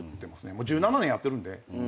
もう１７年やってるんで。